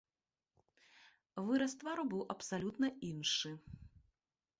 Выраз твару быў абсалютна іншы.